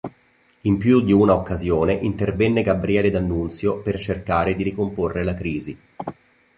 In più di una occasione intervenne Gabriele D'Annunzio per cercare di ricomporre la crisi.